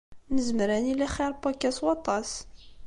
Nezmer ad nili xir n wakka s waṭas.